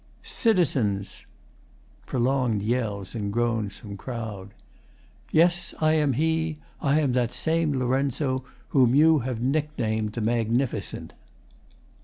] Citizens! [Prolonged yells and groans from the crowd.] Yes, I am he, I am that same Lorenzo Whom you have nicknamed the Magnificent.